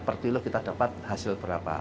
per kilo kita dapat hasil berapa